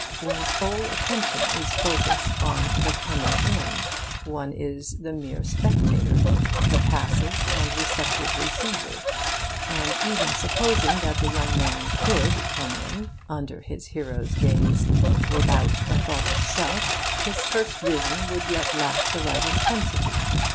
One's whole attention is focussed on the comer in. One is the mere spectator, the passive and receptive receiver. And even supposing that the young man could come in under his hero's gaze without a thought of self, his first vision would yet lack the right intensity.